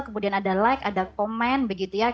kemudian ada like ada komen begitu ya